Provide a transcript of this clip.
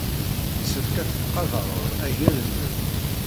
Yessefk ad tettqadared agal-nnem.